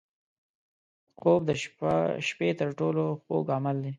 خوب د شپه تر ټولو خوږ عمل دی